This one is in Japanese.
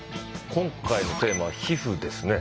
今回のテーマは「皮膚」ですね。